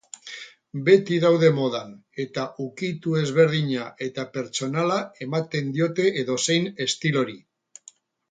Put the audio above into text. Beti daude modan eta ukitu ezberdina eta pertsonala ematen diote edozein estilori.